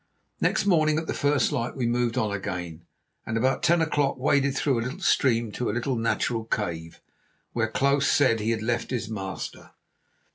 Next morning at the first light we moved on again, and about ten o'clock waded through a stream to a little natural cave, where Klaus said he had left his master.